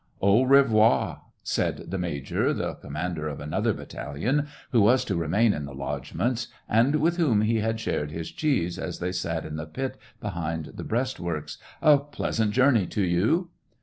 " Au revoir," said the major, the commander of another battalion, who was to remain in the lodgements, and with whom he had shared his cheese, as they sat in the pit behind the breast works — "a pleasant journey to you."